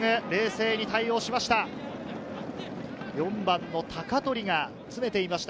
冷静に対応しました。